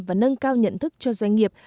và nâng cao nhận thức cho doanh nghiệp